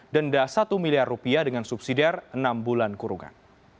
denda rp satu miliar dengan subsidiar enam bulan kurungan